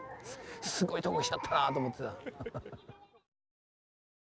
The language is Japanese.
「すごいとこ来ちゃったな」と思ってた。